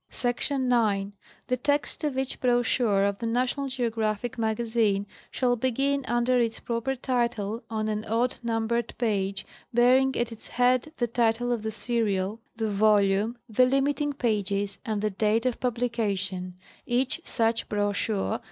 Src. 9. The text of each brochure of the National Geographic Magazine shall begin under its proper title on an odd numbered page bearing at its head the title of the serial, the volume, the _ limiting pages, and the date of publication ; each such brochure